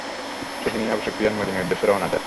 সে দিনই Abu Sufyan মদীনার উদ্দেশে রওনা দেয়।